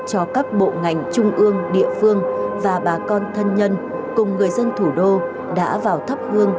cho các bộ ngành trung ương địa phương và bà con thân nhân cùng người dân thủ đô đã vào thắp hương